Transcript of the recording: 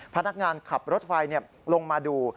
พนักงานขับรถไฟลงมาดู